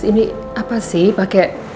ini apa sih pake